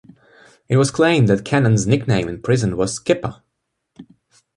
It was claimed that Cannan's nickname in prison was "Kipper".